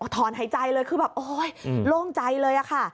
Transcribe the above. ถอนหายใจเลยคือแบบโอ๊ยโล่งใจเลยอะค่ะ